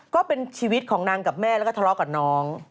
ก็เป็นชีวิตของนางกับแม่แล้วก็ทะเลาะกับน้อง